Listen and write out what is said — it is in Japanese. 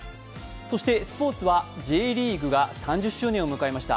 そしてスポーツはＪリーグが３０周年を迎えました。